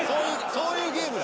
そういうゲ―ムや。